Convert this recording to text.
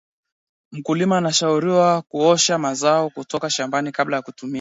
mkulima anashauriwa kuosha mazao kutoka shambani kabla ya kutumia